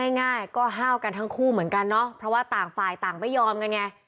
ง่ายก็ห้าวกันทั้งคู่เหมือนกันเนาะเพราะว่าต่างฝ่ายต่างไม่ยอมกันไง